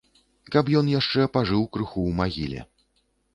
Каб ён яшчэ пажыў крыху ў магіле.